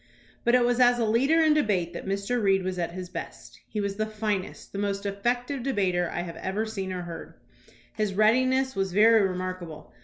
But it was as a leader in debate that Mr. Reed was at his best. He was the finest, the most effective de bater that I have ever seen or heard. His readiness was very remarkable.